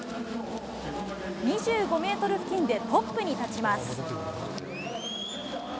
２５メートル付近でトップに立ちます。